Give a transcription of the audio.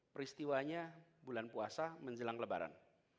peristiwanya bulan puasa menjelang lebaran